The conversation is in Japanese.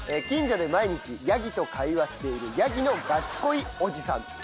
近所で毎日ヤギと会話しているヤギのガチ恋おじさん。